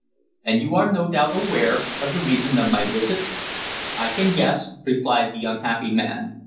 "And you are no doubt aware of the reason of my visit?" "I can guess," replied the unhappy man.